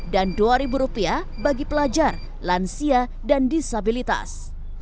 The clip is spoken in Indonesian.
rp dua bagi pelajar lansia dan disabilitas